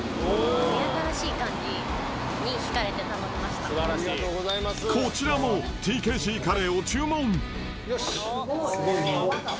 目新しい感じに引かれて頼みこちらも、ＴＫＧカレーを注すごい。